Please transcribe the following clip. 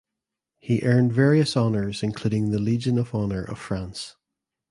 He earned various honors including the Legion of Honour of France.